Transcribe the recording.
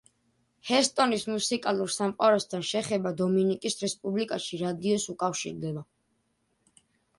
ჰესტონის მუსიკალურ სამყაროსთან შეხება დომინიკის რესპუბლიკაში რადიოს უკავშირდება.